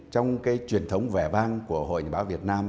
trong cái truyền thống vẻ vang của hội nhà báo việt nam